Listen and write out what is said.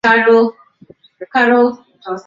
molly aliweka watu kwenye boti za kuokoa